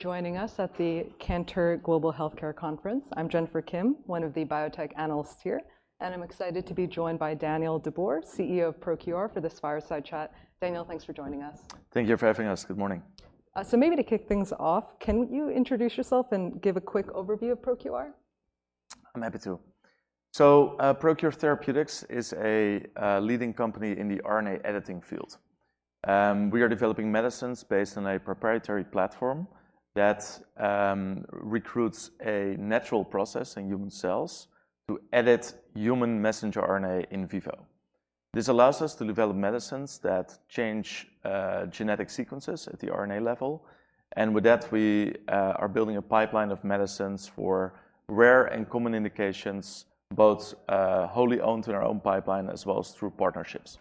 Joining us at the Cantor Global Healthcare Conference. I'm Jennifer Kim, one of the biotech analysts here, and I'm excited to be joined by Daniel de Boer, CEO of ProQR, for this fireside chat. Daniel, thanks for joining us. Thank you for having us. Good morning. Maybe to kick things off, can you introduce yourself and give a quick overview of ProQR? I'm happy to. So, ProQR Therapeutics is a leading company in the RNA editing field. We are developing medicines based on a proprietary platform that recruits a natural process in human cells to edit human messenger RNA in vivo. This allows us to develop medicines that change genetic sequences at the RNA level, and with that, we are building a pipeline of medicines for rare and common indications, both wholly owned in our own pipeline as well as through partnerships.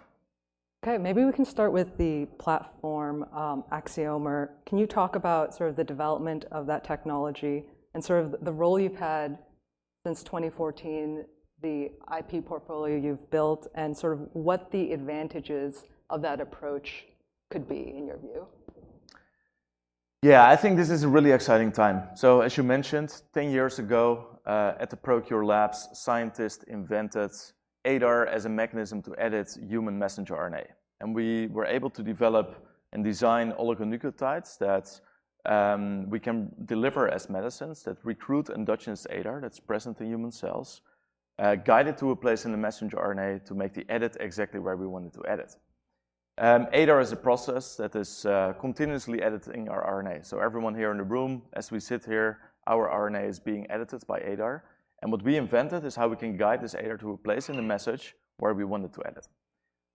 Okay, maybe we can start with the platform, Axiomer. Can you talk about sort of the development of that technology and sort of the role you've had since 2014, the IP portfolio you've built, and sort of what the advantages of that approach could be in your view? Yeah, I think this is a really exciting time. So as you mentioned, ten years ago, at the ProQR labs, scientists invented ADAR as a mechanism to edit human messenger RNA, and we were able to develop and design oligonucleotides that we can deliver as medicines that recruit endogenous ADAR that's present in human cells, guide it to a place in the messenger RNA to make the edit exactly where we want it to edit. ADAR is a process that is continuously editing our RNA. So everyone here in the room, as we sit here, our RNA is being edited by ADAR, and what we invented is how we can guide this ADAR to a place in the message where we want it to edit.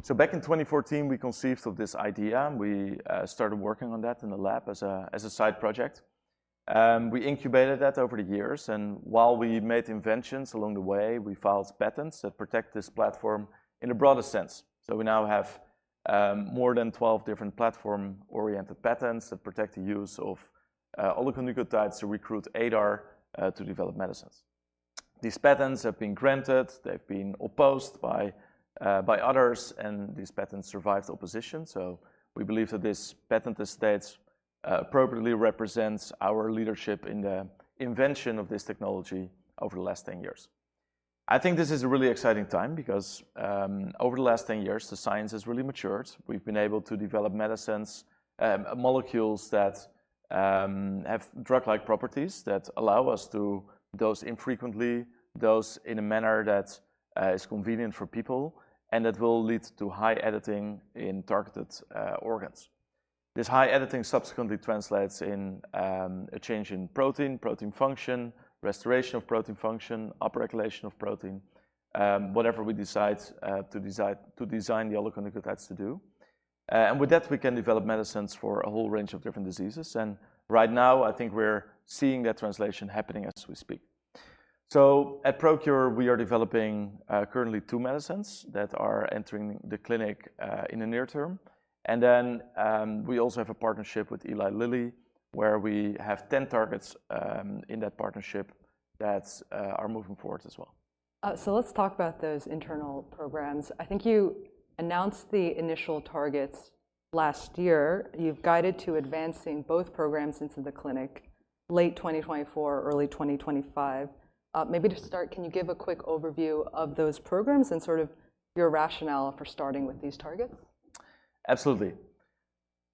So back in 2014, we conceived of this idea, and we started working on that in the lab as a side project. We incubated that over the years, and while we made inventions along the way, we filed patents that protect this platform in a broader sense, so we now have more than twelve different platform-oriented patents that protect the use of oligonucleotides to recruit ADAR to develop medicines. These patents have been granted, they've been opposed by others, and these patents survived opposition, so we believe that this patent estate appropriately represents our leadership in the invention of this technology over the last ten years. I think this is a really exciting time because over the last ten years, the science has really matured. We've been able to develop medicines, molecules that have drug-like properties that allow us to dose infrequently, dose in a manner that is convenient for people, and that will lead to high editing in targeted organs. This high editing subsequently translates in a change in protein function, restoration of protein function, upregulation of protein, whatever we decide to design the oligonucleotides to do. With that, we can develop medicines for a whole range of different diseases, and right now, I think we're seeing that translation happening as we speak. At ProQR, we are developing currently two medicines that are entering the clinic in the near term. Then we also have a partnership with Eli Lilly, where we have ten targets in that partnership that are moving forward as well. So let's talk about those internal programs. I think you announced the initial targets last year. You've guided to advancing both programs into the clinic late 2024, early 2025. Maybe to start, can you give a quick overview of those programs and sort of your rationale for starting with these targets? Absolutely.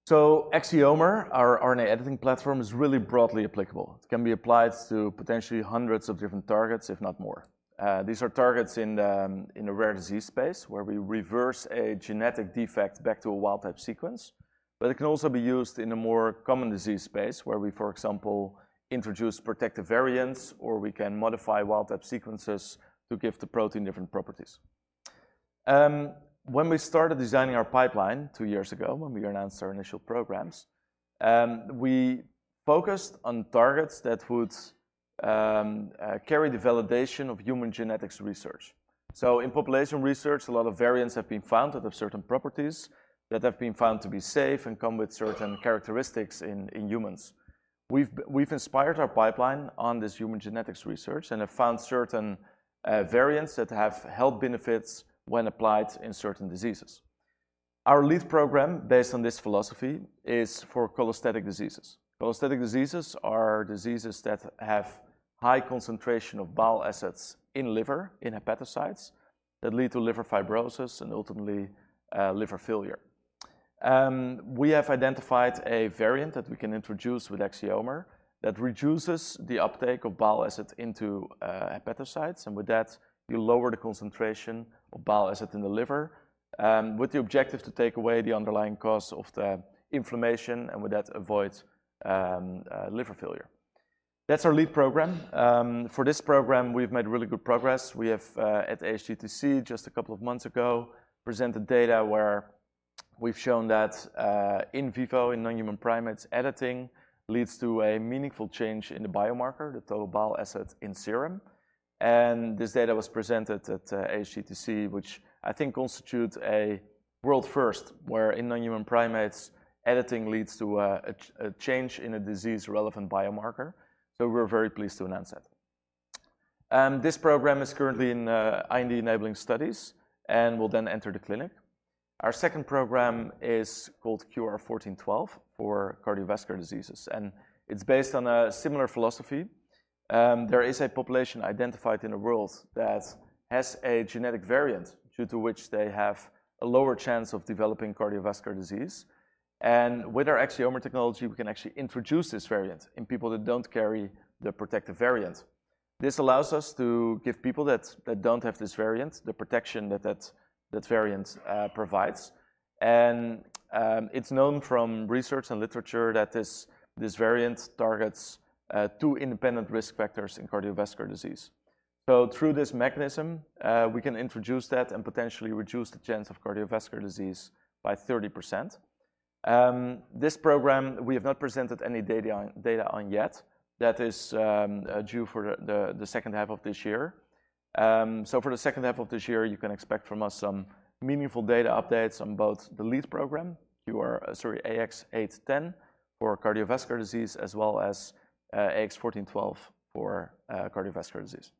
So Axiomer, our RNA editing platform, is really broadly applicable. It can be applied to potentially hundreds of different targets, if not more. These are targets in the rare disease space, where we reverse a genetic defect back to a wild type sequence, but it can also be used in a more common disease space, where we, for example, introduce protective variants, or we can modify wild type sequences to give the protein different properties. When we started designing our pipeline two years ago, when we announced our initial programs, we focused on targets that would carry the validation of human genetics research. So in population research, a lot of variants have been found that have certain properties, that have been found to be safe and come with certain characteristics in humans. We've inspired our pipeline on this human genetics research and have found certain variants that have health benefits when applied in certain diseases. Our lead program, based on this philosophy, is for cholestatic diseases. Cholestatic diseases are diseases that have high concentration of bile acids in liver, in hepatocytes, that lead to liver fibrosis and ultimately liver failure. We have identified a variant that we can introduce with Axiomer that reduces the uptake of bile acid into hepatocytes, and with that, you lower the concentration of bile acid in the liver with the objective to take away the underlying cause of the inflammation, and with that, avoid liver failure. That's our lead program. For this program, we've made really good progress. We have at ASGCT, just a couple of months ago, presented data where we've shown that in vivo, in non-human primates, editing leads to a meaningful change in the biomarker, the total bile acid in serum, and this data was presented at ASGCT, which I think constitutes a world first, where in non-human primates, editing leads to a change in a disease-relevant biomarker, so we're very pleased to announce that. This program is currently in IND-enabling studies and will then enter the clinic. Our second program is called QR-1412 for cardiovascular diseases, and it's based on a similar philosophy. There is a population identified in the world that has a genetic variant, due to which they have a lower chance of developing cardiovascular disease. And with our Axiomer technology, we can actually introduce this variant in people that don't carry the protective variant. This allows us to give people that don't have this variant, the protection that that variant provides. And it's known from research and literature that this variant targets two independent risk factors in cardiovascular disease. So through this mechanism, we can introduce that and potentially reduce the chance of cardiovascular disease by 30%. This program, we have not presented any data on yet. That is due for the second half of this year. So for the second half of this year, you can expect from us some meaningful data updates on both the lead program, QR, sorry, AX-0810 for cardiovascular disease, as well as AX-1412 for cardiovascular disease.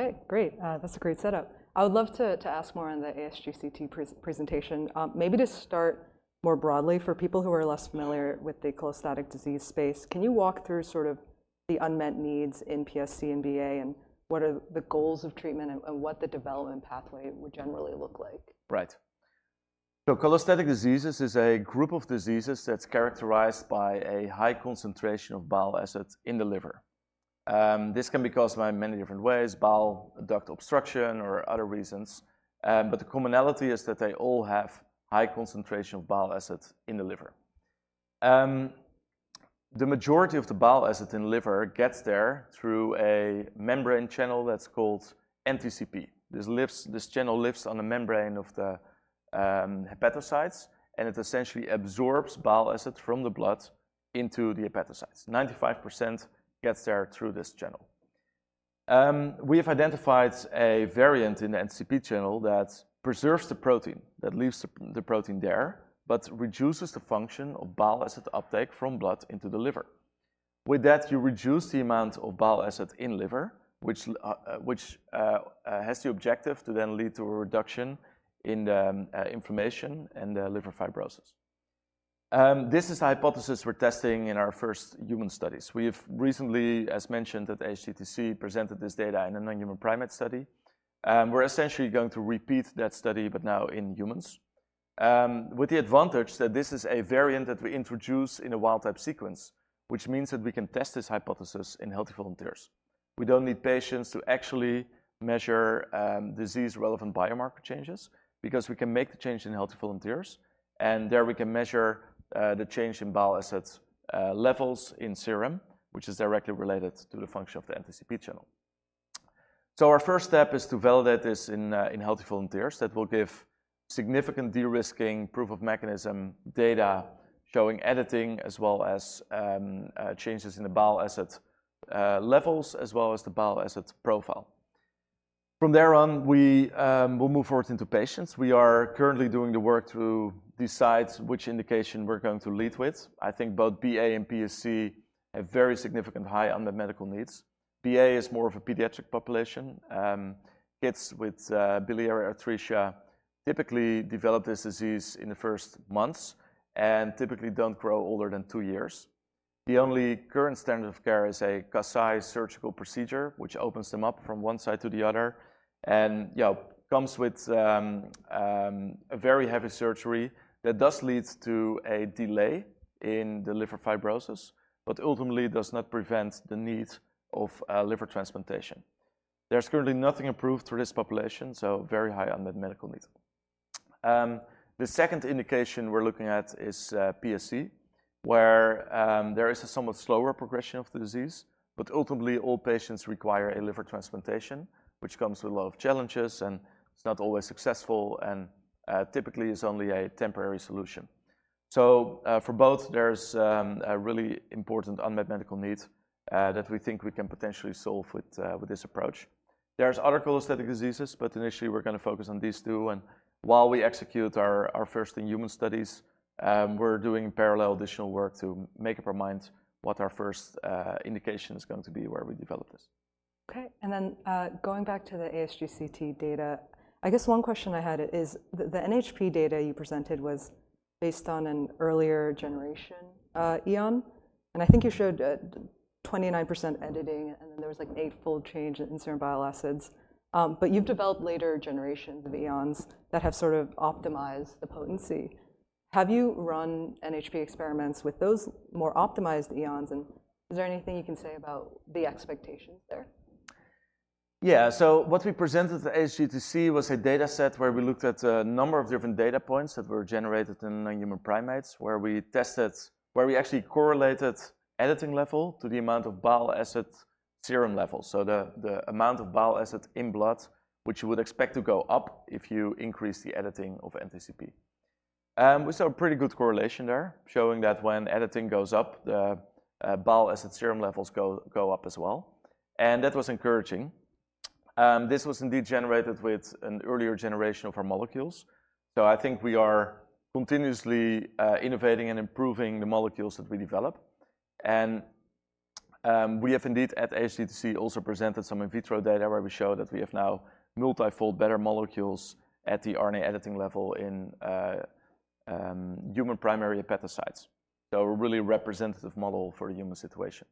Okay, great. That's a great setup. I would love to ask more on the ASGCT presentation. Maybe to start more broadly, for people who are less familiar with the cholestatic disease space, can you walk through sort of the unmet needs in PSC and BA, and what are the goals of treatment and what the development pathway would generally look like? Right. Cholestatic diseases is a group of diseases that's characterized by a high concentration of bile acids in the liver. This can be caused by many different ways, bile duct obstruction or other reasons, but the commonality is that they all have high concentration of bile acids in the liver. The majority of the bile acid in liver gets there through a membrane channel that's called NTCP. This channel lives on the membrane of the hepatocytes, and it essentially absorbs bile acids from the blood into the hepatocytes. 95% gets there through this channel. We have identified a variant in the NTCP channel that preserves the protein, that leaves the protein there, but reduces the function of bile acid uptake from blood into the liver. With that, you reduce the amount of bile acid in liver, which has the objective to then lead to a reduction in the inflammation and the liver fibrosis. This is the hypothesis we're testing in our first human studies. We have recently, as mentioned, at the ASGCT, presented this data in a non-human primate study. We're essentially going to repeat that study, but now in humans, with the advantage that this is a variant that we introduce in a wild-type sequence, which means that we can test this hypothesis in healthy volunteers. We don't need patients to actually measure disease-relevant biomarker changes because we can make the change in healthy volunteers, and there we can measure the change in bile acids levels in serum, which is directly related to the function of the NTCP channel. So our first step is to validate this in healthy volunteers. That will give significant de-risking, proof of mechanism data, showing editing, as well as changes in the bile acid levels, as well as the bile acid profile. From there on, we will move forward into patients. We are currently doing the work to decide which indication we're going to lead with. I think both BA and PSC have very significant high unmet medical needs. BA is more of a pediatric population. Kids with biliary atresia typically develop this disease in the first months and typically don't grow older than two years. The only current standard of care is a Kasai surgical procedure, which opens them up from one side to the other, and, yeah, comes with a very heavy surgery that does lead to a delay in the liver fibrosis, but ultimately does not prevent the need of liver transplantation. There's currently nothing approved for this population, so very high unmet medical need. The second indication we're looking at is PSC, where there is a somewhat slower progression of the disease, but ultimately, all patients require a liver transplantation, which comes with a lot of challenges, and it's not always successful, and typically is only a temporary solution. So, for both, there's a really important unmet medical need that we think we can potentially solve with this approach. There's other cholestatic diseases, but initially, we're gonna focus on these two, and while we execute our first in-human studies, we're doing parallel additional work to make up our mind what our first indication is going to be, where we develop this. Okay, and then, going back to the ASGCT data, I guess one question I had is the, the NHP data you presented was based on an earlier generation, ion, and I think you showed, 29% editing, and then there was, like, eightfold change in certain bile acids. But you've developed later generations of ions that have sort of optimized the potency. Have you run NHP experiments with those more optimized ions, and is there anything you can say about the expectations there? Yeah. So what we presented at the ASGCT was a dataset where we looked at a number of different data points that were generated in non-human primates, where we actually correlated editing level to the amount of bile acid serum levels, so the amount of bile acid in blood, which you would expect to go up if you increase the editing of NTCP. We saw a pretty good correlation there, showing that when editing goes up, the bile acid serum levels go up as well, and that was encouraging. This was indeed generated with an earlier generation of our molecules, so I think we are continuously innovating and improving the molecules that we develop. We have indeed at ASGCT also presented some in vitro data where we show that we have now multifold better molecules at the RNA editing level in human primary hepatocytes. A really representative model for a human situation.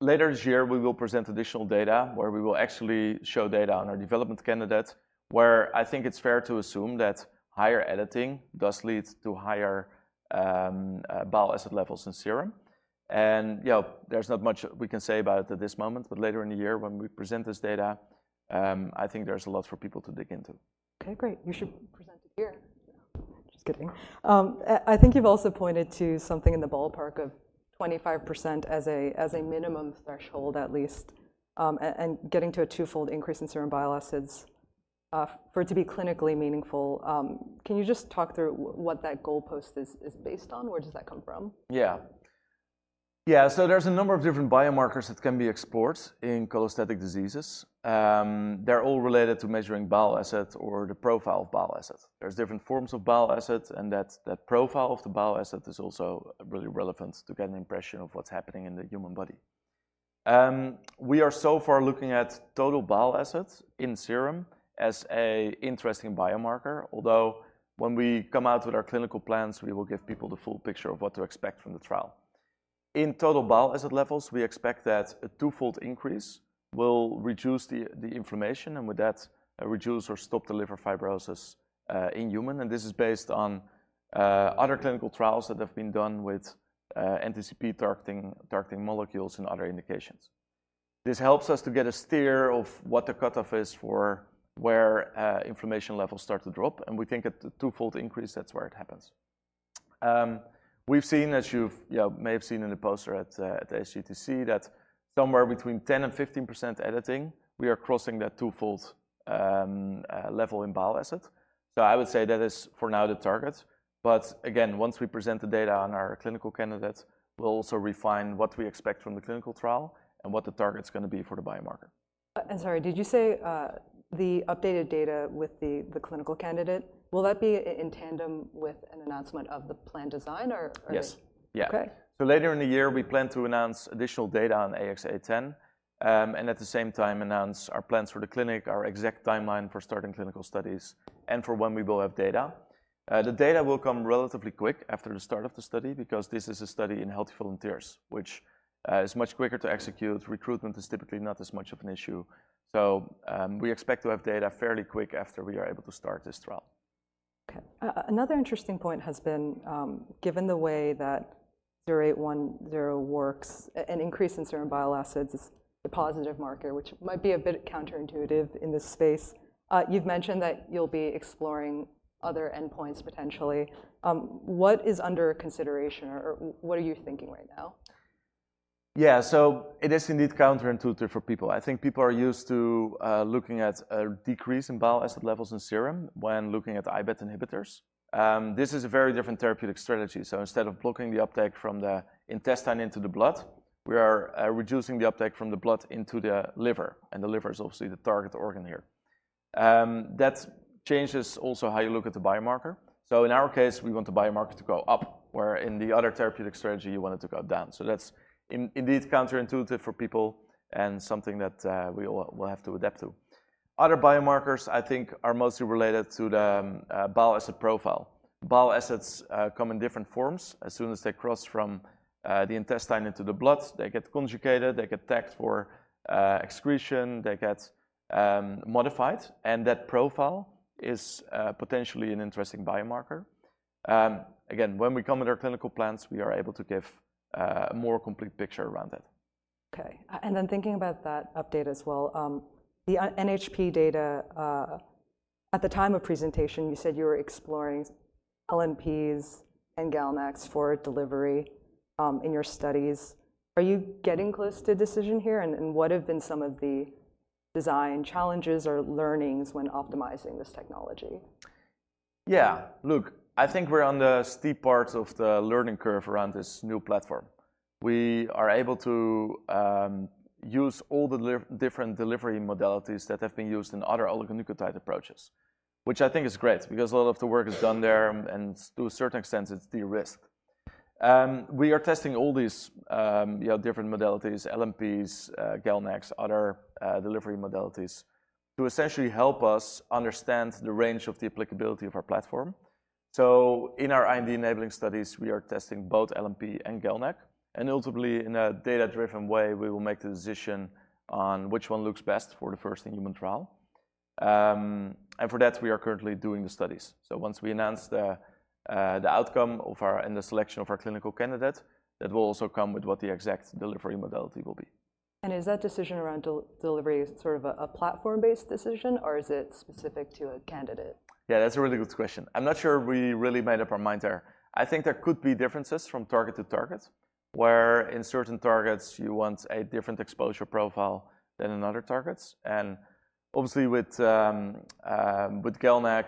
Later this year, we will present additional data where we will actually show data on our development candidate, where I think it's fair to assume that higher editing does lead to higher bile acid levels in serum. Yeah, there's not much we can say about it at this moment, but later in the year when we present this data, I think there's a lot for people to dig into. Okay, great! You should present it here. Just kidding. I think you've also pointed to something in the ballpark of 25% as a minimum threshold, at least, and getting to a twofold increase in serum bile acids for it to be clinically meaningful. Can you just talk through what that goalpost is based on? Where does that come from? Yeah. Yeah, so there's a number of different biomarkers that can be explored in cholestatic diseases. They're all related to measuring bile acids or the profile of bile acids. There's different forms of bile acids, and that, the profile of the bile acid is also really relevant to get an impression of what's happening in the human body. We are so far looking at total bile acids in serum as an interesting biomarker, although when we come out with our clinical plans, we will give people the full picture of what to expect from the trial. In total bile acid levels, we expect that a twofold increase will reduce the inflammation, and with that, reduce or stop the liver fibrosis, in human. And this is based on other clinical trials that have been done with NTCP targeting molecules in other indications. This helps us to get a steer of what the cutoff is for where, inflammation levels start to drop, and we think at the twofold increase, that's where it happens. We've seen, as you may have seen in the poster at the ASGCT, that somewhere between 10 and 15% editing, we are crossing that twofold level in bile acid. So I would say that is, for now, the target. But again, once we present the data on our clinical candidates, we'll also refine what we expect from the clinical trial and what the target's gonna be for the biomarker. I'm sorry, did you say the updated data with the clinical candidate, will that be in tandem with an announcement of the plan design or, or- Yes. Yeah. Okay. So later in the year, we plan to announce additional data on AX-0810, and at the same time, announce our plans for the clinic, our exact timeline for starting clinical studies, and for when we will have data. The data will come relatively quick after the start of the study because this is a study in healthy volunteers, which is much quicker to execute. Recruitment is typically not as much of an issue, so we expect to have data fairly quick after we are able to start this trial. Okay. Another interesting point has been, given the way that zero eight one zero works, an increase in serum bile acids is the positive marker, which might be a bit counterintuitive in this space. You've mentioned that you'll be exploring other endpoints, potentially. What is under consideration, or what are you thinking right now? Yeah. So it is indeed counterintuitive for people. I think people are used to looking at a decrease in bile acid levels in serum when looking at the IBAT inhibitors. This is a very different therapeutic strategy. So instead of blocking the uptake from the intestine into the blood, we are reducing the uptake from the blood into the liver, and the liver is obviously the target organ here. That changes also how you look at the biomarker. So in our case, we want the biomarker to go up, where in the other therapeutic strategy, you want it to go down. So that's indeed counterintuitive for people and something that we will have to adapt to. Other biomarkers, I think, are mostly related to the bile acid profile. Bile acids come in different forms. As soon as they cross from the intestine into the blood, they get conjugated, they get tagged for excretion, they get modified, and that profile is potentially an interesting biomarker. Again, when we come with our clinical plans, we are able to give a more complete picture around it. Okay. And then thinking about that update as well, the NHP data, at the time of presentation, you said you were exploring LNPs and GalNAcs for delivery, in your studies. Are you getting close to a decision here? And what have been some of the design challenges or learnings when optimizing this technology? Yeah. Look, I think we're on the steep part of the learning curve around this new platform. We are able to use all the different delivery modalities that have been used in other oligonucleotide approaches, which I think is great because a lot of the work is done there, and to a certain extent, it's de-risked. We are testing all these different modalities, LNPs, GalNAcs, other delivery modalities, to essentially help us understand the range of the applicability of our platform. So in our R&D enabling studies, we are testing both LNP and GalNAc, and ultimately, in a data-driven way, we will make the decision on which one looks best for the first in-human trial. And for that, we are currently doing the studies. So once we announce the outcome of our and the selection of our clinical candidate, that will also come with what the exact delivery modality will be. Is that decision around the delivery sort of a platform-based decision, or is it specific to a candidate? Yeah, that's a really good question. I'm not sure we really made up our mind there. I think there could be differences from target to target, where in certain targets, you want a different exposure profile than in other targets, and obviously, with GalNAc,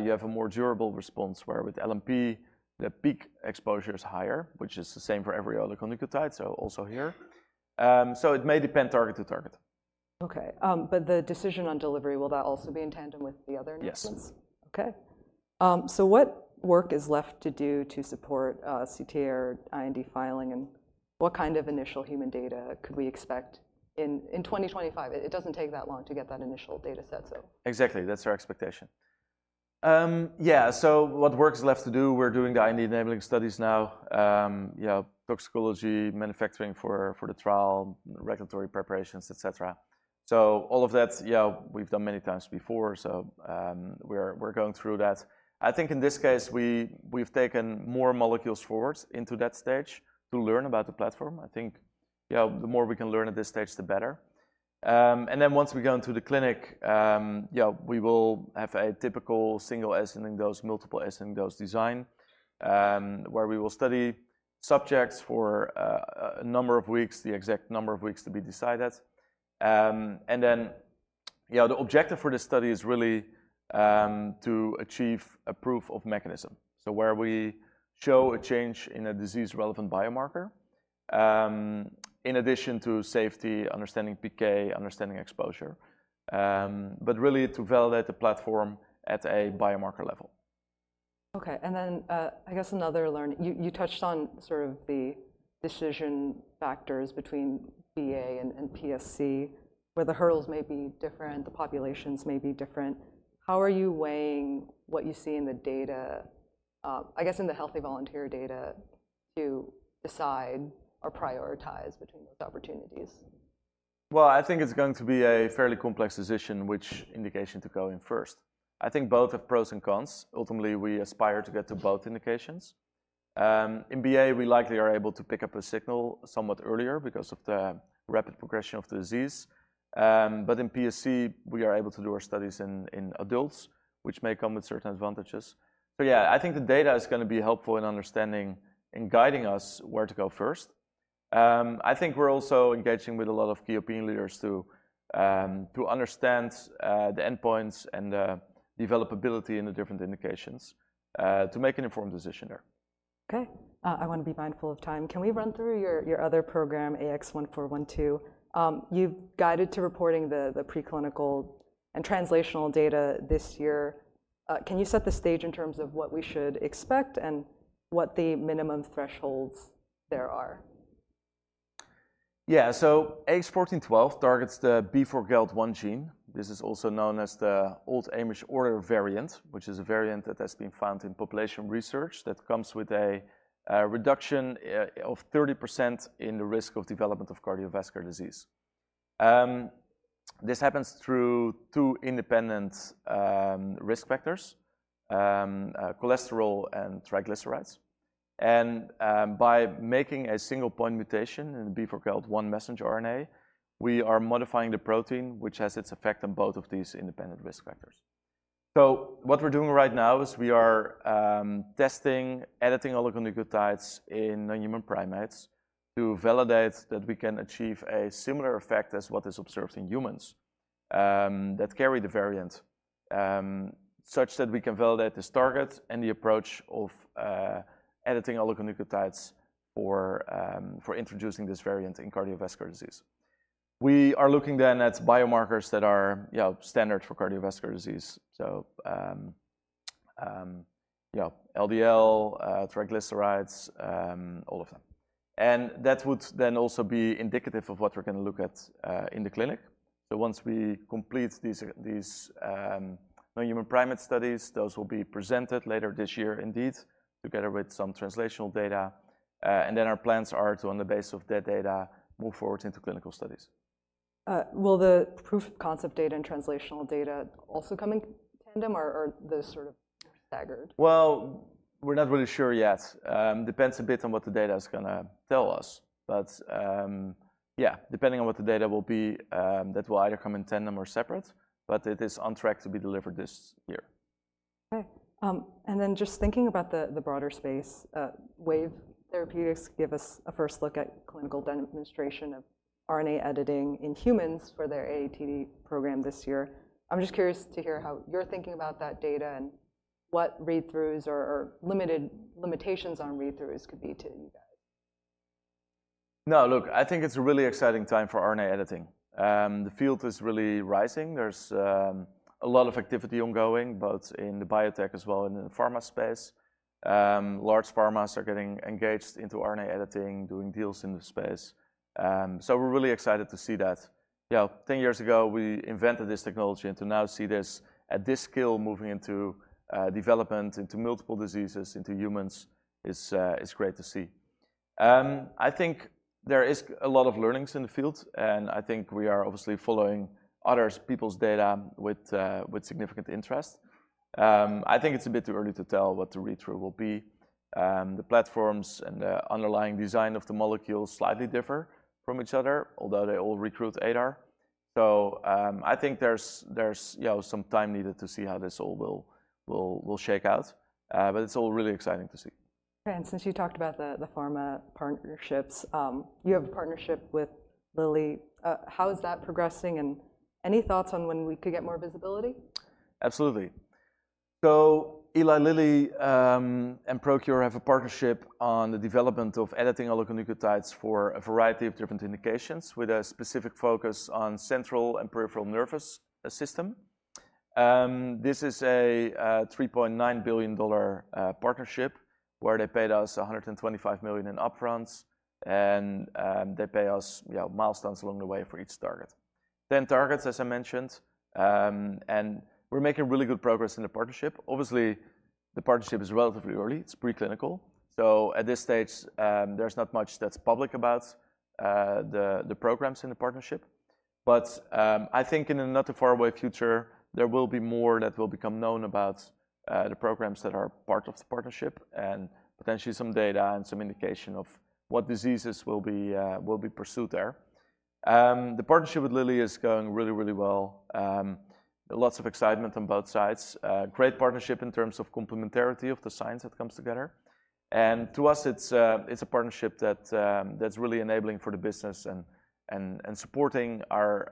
you have a more durable response, where with LNP, the peak exposure is higher, which is the same for every other nucleotide, so also here, so it may depend target to target.... Okay, but the decision on delivery, will that also be in tandem with the other initiatives? Yes. Okay, so what work is left to do to support CTA, IND filing, and what kind of initial human data could we expect in twenty twenty-five? It doesn't take that long to get that initial data set, so. Exactly, that's our expectation. Yeah, so what work is left to do? We're doing the IND-enabling studies now, you know, toxicology, manufacturing for the trial, regulatory preparations, et cetera. So all of that, yeah, we've done many times before, so we're going through that. I think in this case, we've taken more molecules forward into that stage to learn about the platform. I think, yeah, the more we can learn at this stage, the better. And then once we go into the clinic, yeah, we will have a typical single ascending dose, multiple ascending dose design, where we will study subjects for a number of weeks, the exact number of weeks to be decided. And then, yeah, the objective for this study is really to achieve a proof of mechanism. So where we show a change in a disease-relevant biomarker, in addition to safety, understanding PK, understanding exposure, but really to validate the platform at a biomarker level. Okay, and then, I guess another learning, you touched on sort of the decision factors between BA and PSC, where the hurdles may be different, the populations may be different. How are you weighing what you see in the data, I guess in the healthy volunteer data, to decide or prioritize between those opportunities? Well, I think it's going to be a fairly complex decision, which indication to go in first. I think both have pros and cons. Ultimately, we aspire to get to both indications. In BA, we likely are able to pick up a signal somewhat earlier because of the rapid progression of the disease. But in PSC, we are able to do our studies in adults, which may come with certain advantages. So yeah, I think the data is gonna be helpful in understanding and guiding us where to go first. I think we're also engaging with a lot of key opinion leaders to understand the endpoints and the developability in the different indications to make an informed decision there. Okay. I wanna be mindful of time. Can we run through your other program, AX-1412? You've guided to reporting the preclinical and translational data this year. Can you set the stage in terms of what we should expect and what the minimum thresholds there are? Yeah. So AX-1412 targets the B4GALT1 gene. This is also known as the Old Amish Order variant, which is a variant that has been found in population research that comes with a reduction of 30% in the risk of development of cardiovascular disease. This happens through two independent risk factors, cholesterol and triglycerides. And, by making a single point mutation in the B4GALT1 messenger RNA, we are modifying the protein, which has its effect on both of these independent risk factors. So what we're doing right now is we are testing editing oligonucleotides in non-human primates to validate that we can achieve a similar effect as what is observed in humans that carry the variant such that we can validate this target and the approach of editing oligonucleotides for introducing this variant in cardiovascular disease. We are looking then at biomarkers that are yeah standard for cardiovascular disease. So yeah LDL triglycerides all of them. And that would then also be indicative of what we're gonna look at in the clinic. So once we complete these non-human primate studies those will be presented later this year indeed together with some translational data. And then our plans are to on the basis of that data move forward into clinical studies. Will the proof of concept data and translational data also come in tandem, or are those sort of staggered? We're not really sure yet. Depends a bit on what the data is gonna tell us, but yeah, depending on what the data will be, that will either come in tandem or separate, but it is on track to be delivered this year. Okay. And then just thinking about the broader space, Wave Therapeutics gave us a first look at clinical administration of RNA editing in humans for their AATD program this year. I'm just curious to hear how you're thinking about that data and what read-throughs or limitations on read-throughs could be to you guys. No, look, I think it's a really exciting time for RNA editing. The field is really rising. There's a lot of activity ongoing, both in the biotech as well in the pharma space. Large pharmas are getting engaged into RNA editing, doing deals in the space. So we're really excited to see that. Yeah, ten years ago, we invented this technology, and to now see this at this scale, moving into development, into multiple diseases, into humans, is great to see. I think there is a lot of learnings in the field, and I think we are obviously following others' people's data with significant interest. I think it's a bit too early to tell what the read-through will be. The platforms and the underlying design of the molecules slightly differ from each other, although they all recruit ADAR. I think there's some time needed to see how this all will shake out, but it's all really exciting to see. Since you talked about the pharma partnerships. Mm-hmm. You have a partnership with Lilly. How is that progressing, and any thoughts on when we could get more visibility? Absolutely. So Eli Lilly and ProQR have a partnership on the development of editing oligonucleotides for a variety of different indications, with a specific focus on central and peripheral nervous system. This is a $3.9 billion partnership, where they paid us $125 million in upfronts, and they pay us, yeah, milestones along the way for each target. Then targets, as I mentioned, and we're making really good progress in the partnership. Obviously, the partnership is relatively early. It's preclinical, so at this stage, there's not much that's public about the programs in the partnership. But, I think in the not too far away future, there will be more that will become known about the programs that are part of the partnership, and potentially some data and some indication of what diseases will be will be pursued there. The partnership with Lilly is going really, really well. Lots of excitement on both sides. Great partnership in terms of complementarity of the science that comes together, and to us, it's it's a partnership that's really enabling for the business and, and, and supporting our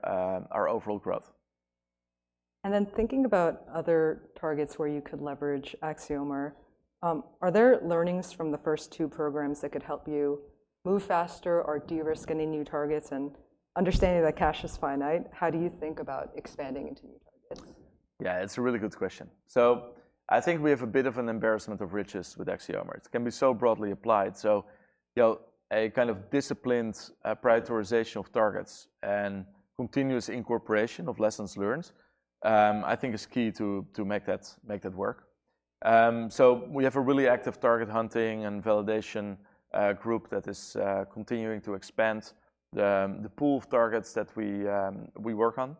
our overall growth. And then thinking about other targets where you could leverage Axiomer, are there learnings from the first two programs that could help you move faster or de-risk any new targets? And understanding that cash is finite, how do you think about expanding into new targets? Yeah, it's a really good question. So I think we have a bit of an embarrassment of riches with Axiomer. It can be so broadly applied. So, you know, a kind of disciplined prioritization of targets and continuous incorporation of lessons learned, I think is key to make that work. So we have a really active target hunting and validation group that is continuing to expand the pool of targets that we work on.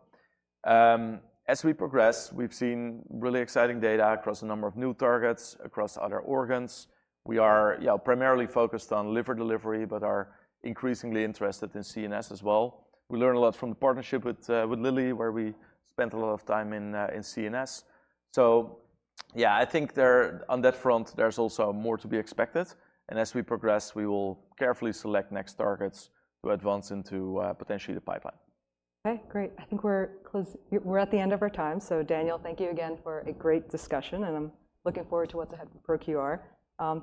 As we progress, we've seen really exciting data across a number of new targets, across other organs. We are, yeah, primarily focused on liver delivery, but are increasingly interested in CNS as well. We learn a lot from the partnership with Lilly, where we spent a lot of time in CNS. So yeah, I think there on that front, there's also more to be expected, and as we progress, we will carefully select next targets to advance into potentially the pipeline. Okay, great. I think we're close. We're at the end of our time. So Daniel, thank you again for a great discussion, and I'm looking forward to what's ahead for ProQR.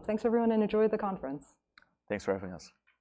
Thanks, everyone, and enjoy the conference. Thanks for having us.